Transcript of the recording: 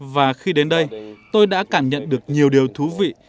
và khi đến đây tôi đã cảm nhận được nhiều điều thú vị